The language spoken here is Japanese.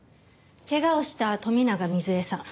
怪我をした富永瑞恵さん